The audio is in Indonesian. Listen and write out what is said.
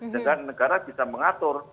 dan negara bisa mengatur